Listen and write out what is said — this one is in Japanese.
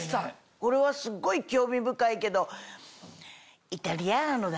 これはすっごい興味深いけど。